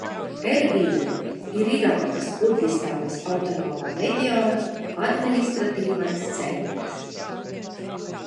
Erbīla ir Irākas Kurdistānas autonomā reģiona administratīvais centrs.